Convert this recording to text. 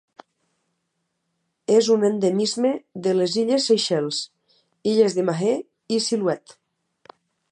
És un endemisme de les Illes Seychelles: illes de Mahé i Silhouette.